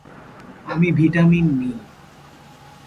আমি ভিটামিন নিই।